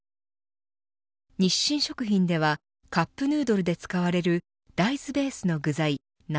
日清食品ではカップヌードルで使われる大豆ベースの具材謎